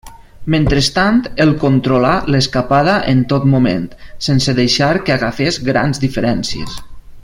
Mentrestant el controlà l'escapada en tot moment, sense deixar que agafés grans diferències.